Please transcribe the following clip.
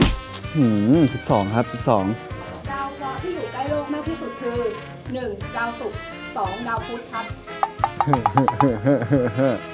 ดาวจ๋อที่อยู่ใกล้โลกมากที่สุดคือ๑๑ดาวสุ๊ป๒ดาวพุธครับ